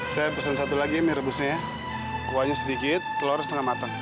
saya pesan satu lagi mie rebusnya kuahnya sedikit telur setengah matang